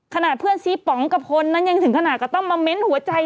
เพื่อนซีป๋องกระพลนั้นยังถึงขนาดก็ต้องมาเม้นหัวใจ